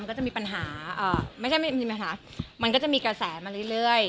ก็จะมีปัญหาไม่ใช่ไม่มีปัญหามันก็จะมีกระแสมาเรื่อย